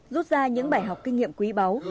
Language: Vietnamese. rút ra những bài học kinh nghiệm quý báu